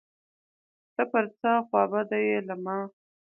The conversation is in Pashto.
ته پر څه خوابدی یې له ما